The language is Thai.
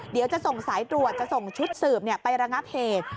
เดี๋ยวจะส่งสายตรวจจะส่งชุดสืบไประงับเหตุ